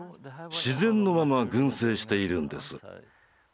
自然のまま群生しているんです。